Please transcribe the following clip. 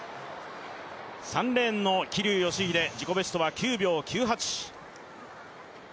３レーンの桐生祥秀自己ベストは９秒９８。